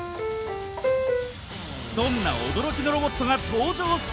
どんな驚きのロボットが登場するのか？